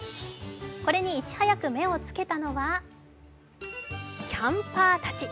これにいち早く目をつけたのはあキャンパーたち。